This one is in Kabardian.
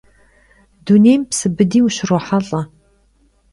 Dunêym psı bıdi vuşrohelh'e.